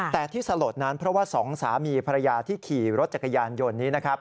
แต่ที่สลดนั้นเพราะว่าสองสามีภรรยาที่ขี่รถจักรยานยนต์นี้นะครับ